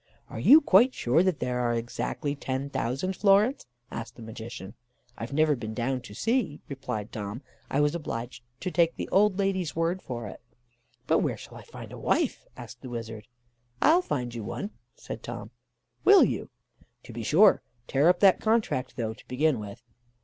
"'Are you quite sure that there are exactly ten thousand florins?' asked the magician. "'I've never been down to see,' replied Tom; 'I was obliged to take the old lady's word for it.' "'But where shall I find a wife?' asked the wizard. "'I'll find you one,' said Tom. "'Will you?' "'To be sure. Tear up that contract, though, to begin with.